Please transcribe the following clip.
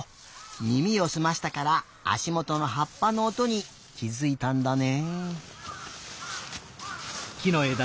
みみをすましたからあしもとのはっぱのおとにきづいたんだね。